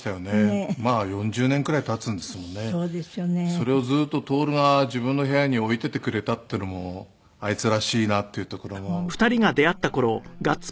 それをずっと徹が自分の部屋に置いていてくれたっていうのもあいつらしいなっていうところも本当にね。